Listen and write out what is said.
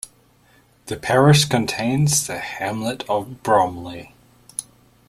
The parish contains the hamlet of Bromley.